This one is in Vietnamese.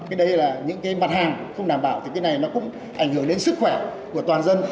cái đây là những cái mặt hàng không đảm bảo thì cái này nó cũng ảnh hưởng đến sức khỏe của toàn dân